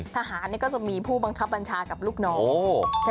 ทหารก็จะมีผู้บังคับบัญชากับลูกน้อง